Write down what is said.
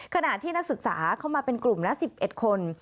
ขณะที่นักศึกษาเข้ามาเป็นกลุ่มละ๑๑คน